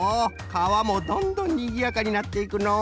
かわもどんどんにぎやかになっていくのう！